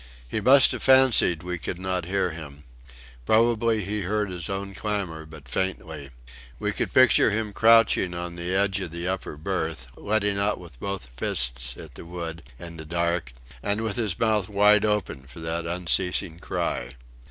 He must have fancied we could not hear him. Probably he heard his own clamour but faintly. We could picture him crouching on the edge of the upper berth, letting out with both fists at the wood, in the dark, and with his mouth wide open for that unceasing cry.